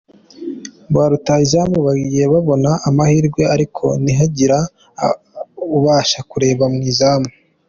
Ba rutahizamu bagiye babona amahirwe ariko ntihagira ubasha kureba mu izamu.